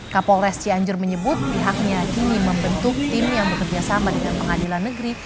kapolres cianjur menyebut pihaknya kini membentuk tim yang bekerja sama dengan pengadilan negeri